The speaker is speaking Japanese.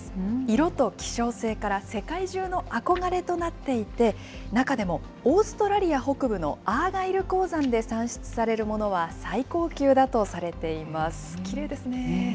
色と希少性から世界中の憧れとなっていて、中でもオーストラリア北部のアーガイル鉱山で産出されるものは最きれいですね。